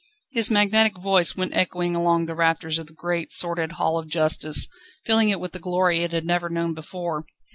His magnetic voice went echoing along the rafters of the great, sordid Hall of Justice, filling it with a glory it had never known before.